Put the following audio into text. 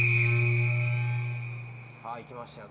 さぁいきましたよ。